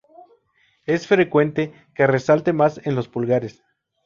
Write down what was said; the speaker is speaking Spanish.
Es frecuente que resalte más en los pulgares.